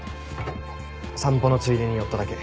散歩のついでに寄っただけ。